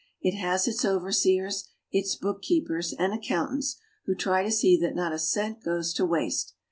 It has its overseers, its bookkeepers and accountants, who try to see that not a cent goes to waste.